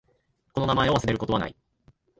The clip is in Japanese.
この名前を忘れることはない。